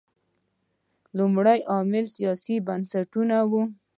لومړی عامل سیاسي بنسټونه وو.